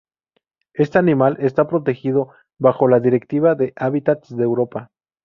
Este animal está protegido bajo la Directiva de Hábitats de Europa.